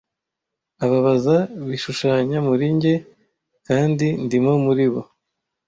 Ababaza bishushanya muri njye kandi ndimo muri bo,